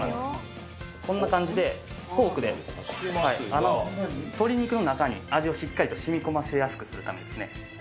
こんな感じで、フォークで穴を、鶏肉の中に味をしっかりとしみこませやすくするためですね。